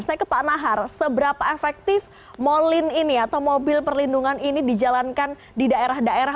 saya ke pak nahar seberapa efektif molin ini atau mobil perlindungan ini dijalankan di daerah daerah